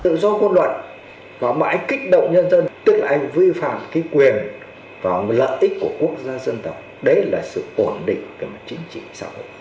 tự do quân luận và mãi kích động nhân dân tức là anh vi phạm cái quyền và lợi ích của quốc gia dân tộc đấy là sự ổn định của chính trị xã hội